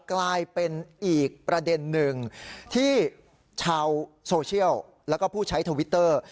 กลายเป็นอีกประเด็นหนึ่งที่ชาวโซเชียลแล้วก็ผู้ใช้ทวิตเตอร์